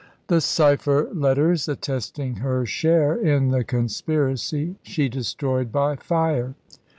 The cypher letters attesting her share in the conspiracy she destroyed by fire.